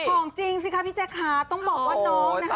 ของจริงสิคะพี่แจ๊คค่ะต้องบอกว่าน้องนะคะ